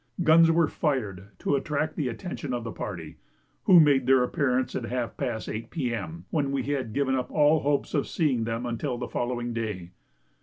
Guns were fired to attract the attention of the party, who made their appearance at half past 8 P.M., when we had given up all hopes of seeing them until the following day.